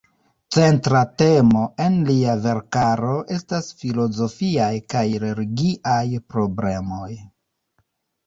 Centra temo en lia verkaro estas filozofiaj kaj religiaj problemoj.